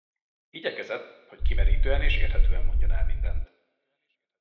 Igyekezett, hogy kimerítően és érthetően mondjon el mindent.